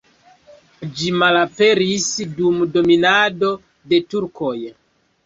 Ĝi malaperis dum dominado de turkoj.